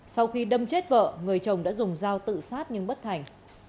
sau khi đâm chết vợ người chồng đã dùng dao tự sát nhưng bất thành